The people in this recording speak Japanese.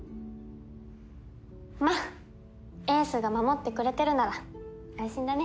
まあ英寿が守ってくれてるなら安心だね。